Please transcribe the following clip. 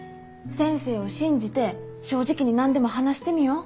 先生を信じて正直に何でも話してみよう。